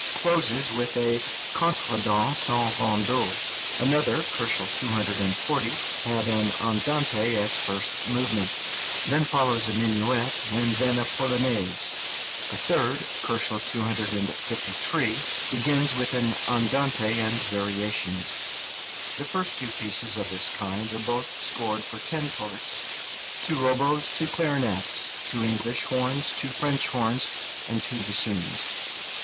closes with a contredanse en rondeau; another (240 K.) has an andante as first movement; then follows a minuet, and then a polonaise; a third (253 K.) begins with an andante and variations. The two first pieces of this kind are both scored for ten parts, two oboes, two clarinets, two English horns, two French horns, and two bassoons.